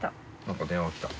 何か電話きた。